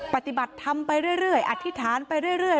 ปฏิบัติธรรมไปเรื่อยอธิษฐานไปเรื่อย